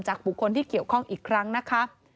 บุคคลที่เกี่ยวข้องอีกครั้งนะคะ